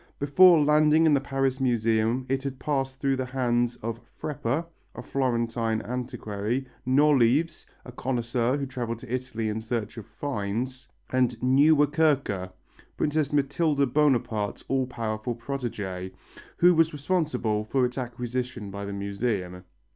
Before landing in the Paris Museum it had passed through the hands of Freppa a Florentine antiquary Nolives, a connoisseur who travelled in Italy in search of "finds," and Nieuwerkerque, Princess Mathilde Bonaparte's all powerful protégé, who was responsible for its acquisition by the Museum.